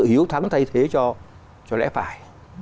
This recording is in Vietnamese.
lấy sự hiếu thắng thay thế cho lẽ phải